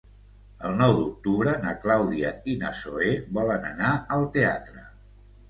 El nou d'octubre na Clàudia i na Zoè volen anar al teatre.